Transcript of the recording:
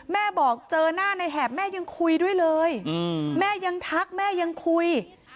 แม่บอกเจอหน้าในแหบแม่ยังคุยด้วยเลยแม่ยังทักแม่ยังคุย